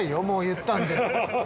もう言ったんで。